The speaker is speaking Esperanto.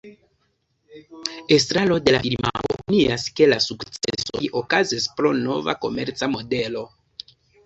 Estraro de la firmao opinias, ke la sukcesoj okazis pro nova komerca modelo.